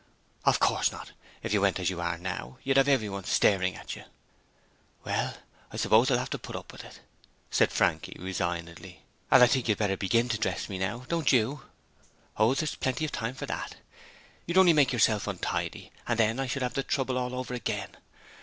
'Of course not: if you went as you are now, you'd have everyone staring at you.' 'Well, I suppose I'll have to put up with it,' said Frankie, resignedly. 'And I think you'd better begin to dress me now, don't you?' 'Oh, there's plenty of time yet; you'd only make yourself untidy and then I should have the trouble all over again.